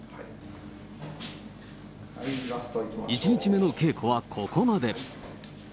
１日目の稽古はここまで。